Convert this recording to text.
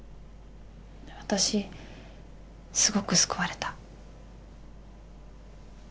わたしすごく救われた。